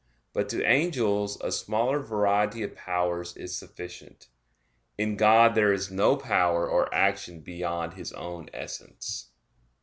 But to angels a smaller variety of powers is sufficient. In God there is no power or action beyond His own Essence.